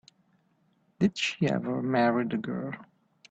Did she ever marry the girl?